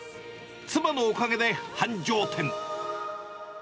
妻のおかげで繁盛店。